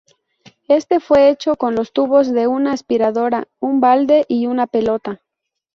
Este fue hecho con los tubos de una aspiradora, un balde y una pelota.